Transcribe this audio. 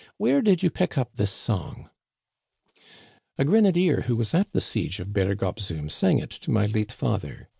Where did you pick up this song ?"" A grenadier who was at the siege of Berg op Zoom sang it to my late father.